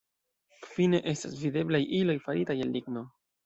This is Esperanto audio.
Fine estas videblaj iloj faritaj el ligno.